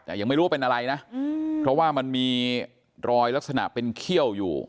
แต่ยังไม่รู้ว่าเป็นอะไรนะเพราะว่ามันมีรอยลักษณะเป็นเขี้ยวอยู่